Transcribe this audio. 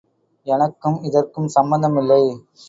எனக்கும் இதற்கும் சம்பந்தமில்லை.